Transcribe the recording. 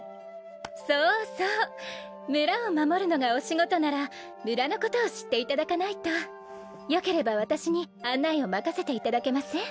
そうそう村を守るのがお仕事なら村のことを知っていただかないとよければ私に案内を任せていただけません？